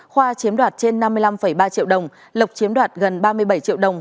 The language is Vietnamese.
khoa chiếm đoạt trên năm mươi năm ba triệu đồng lộc chiếm đoạt gần ba mươi bảy triệu đồng